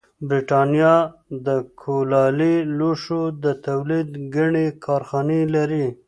برېټانیا د کولالي لوښو د تولید ګڼې کارخانې لرلې